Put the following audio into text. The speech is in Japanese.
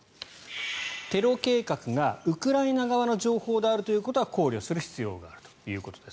テロ計画がウクライナ側の情報であるということは考慮する必要があるということです。